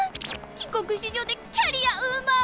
帰国子女でキャリアウーマン！